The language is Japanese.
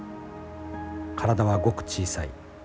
体はごく小さい。